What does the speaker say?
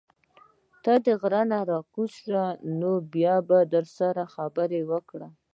ته د غرۀ نه راکوز شه نو بيا به در سره خبرې وکړم